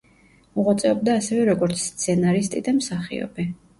მოღვაწეობდა ასევე როგორც სცენარისტი და მსახიობი.